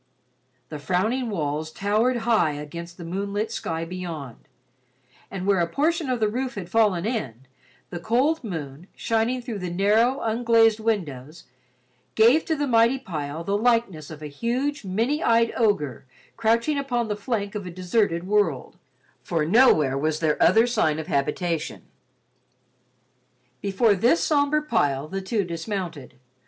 The frowning walls towered high against the moonlit sky beyond, and where a portion of the roof had fallen in, the cold moon, shining through the narrow unglazed windows, gave to the mighty pile the likeness of a huge, many eyed ogre crouching upon the flank of a deserted world, for nowhere was there other sign of habitation. Before this somber pile, the two dismounted.